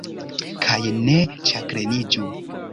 Kaj ne ĉagreniĝu.